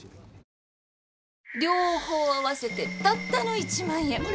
両方合わせてたったの１万円。